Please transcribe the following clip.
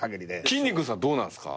きんに君さんどうなんすか？